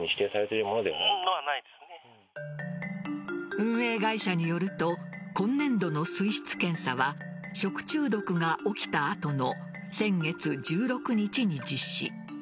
運営会社によると今年度の水質検査は食中毒が起きた後の先月１６日に実施。